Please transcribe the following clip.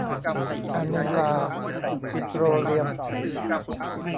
อานีลาปิโตรเลียม